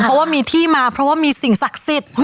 เพราะว่ามีที่มาเพราะว่ามีสิ่งศักดิ์สิทธิ์